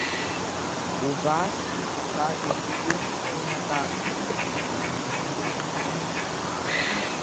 Убас ихцәажәеит Хәымсеи Наташеи.